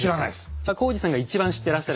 じゃ耕史さんが一番知ってらっしゃる？